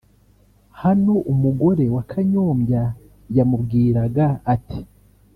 Hano umugore wa Kanyombya yamubwiraga ati